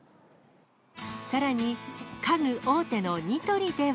さらに、家具大手のニトリでは。